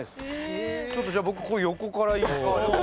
ちょっとじゃあ僕横からいいですか。